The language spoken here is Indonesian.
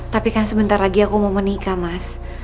tapi kan sebentar lagi aku mau menikah mas